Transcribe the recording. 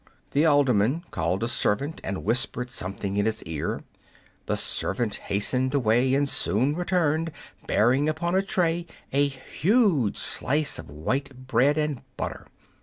The alderman called a servant and whispered something in his ear. The servant hastened away, and soon returned bearing upon a tray a huge slice of white bread and butter.